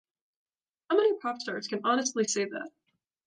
How many popstars can honestly say that?